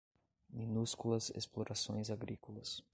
minúsculas explorações agrícolas